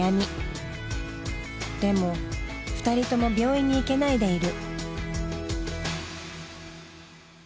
でも２人とも病院に行けないでいる。